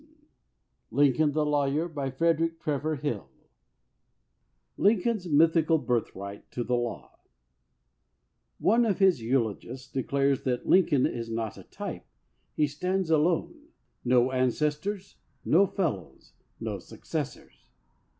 xvm LINCOLN THE LAWYER LINCOLN THE LAWYER Lincoln's mythical birthright to the law ONE of his eulogists declares that "Lincoln is not a type. He stands alone — no ancestors — no fellows — no successors."